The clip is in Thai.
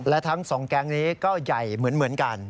และทั้งสองแก๊งนี้ก็ใหญ่เหมือนกัน